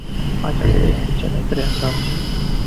Aceasta este cea de-a treia sarcină.